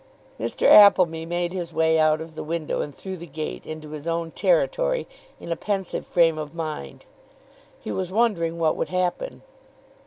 Mr. Appleby made his way out of the window and through the gate into his own territory in a pensive frame of mind. He was wondering what would happen.